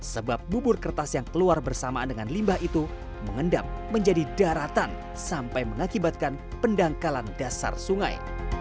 sebab bubur kertas yang keluar bersamaan dengan limbah itu mengendap menjadi daratan sampai mengakibatkan pendangkalan dasar sungai